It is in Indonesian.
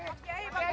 pak kiai pak kiai